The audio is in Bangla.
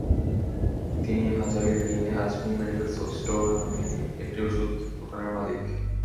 তিনি হাজারী লেইনে আজমির মেডিকেল স্টোর নামে একটি ওষুধের দোকানের মালিক।